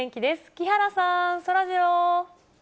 木原さん、そらジロー。